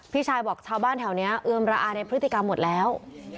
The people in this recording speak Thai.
พี่ชายบอกชาวบ้านแถวนี้เอือมระอาในพฤติกรรมหมดแล้ว